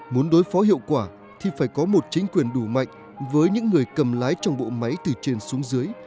muốn đối phó hiệu quả thì phải có một chính quyền đủ mạnh với những người cầm lái trong bộ máy từ trên xuống dưới